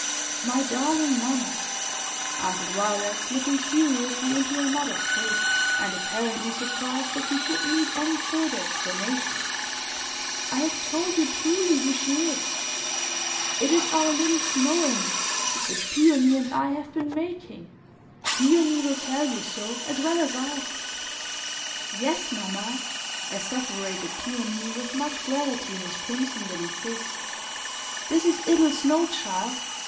"My darling mamma," answered Violet, looking seriously into her mother's face, and apparently surprised that she should need any further explanation, "I have told you truly who she is. It is our little snow image, which Peony and I have been making. Peony will tell you so, as well as I." "Yes, mamma," asseverated Peony, with much gravity in his crimson little phiz; "this is 'ittle snow child.